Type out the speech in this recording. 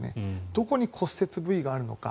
どこに骨折部位があるのか。